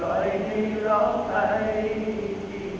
ขอบคุณทุกคนมากครับที่รักโจมตีที่ทุกคนรัก